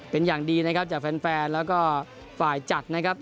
เป็นอย่างดีนะครับจากแฟนแล้วก็ฝ่ายจัดนะครับ